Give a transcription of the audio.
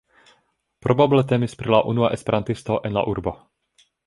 Probable temis pri la unua esperantisto en la urbo.